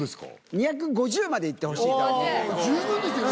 ２５０万いってほしいとは思十分ですよね。